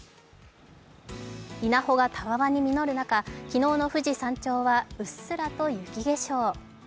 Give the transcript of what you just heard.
稲穂がたわわに実る中、昨日の富士山頂はうっすらと雪化粧。